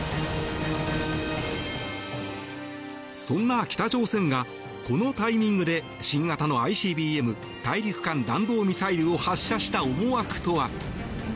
そんな北朝鮮がこのタイミングで新型のＩＣＢＭ・大陸間弾道ミサイルを発射した思惑とは。